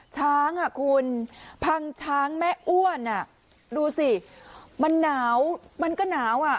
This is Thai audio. ช้างอ่ะคุณพังช้างแม่อ้วนดูสิมันหนาวมันก็หนาวอ่ะ